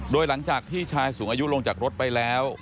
โดยหลังจากที่ชายสูงอายุลงจากรถไปแล้ว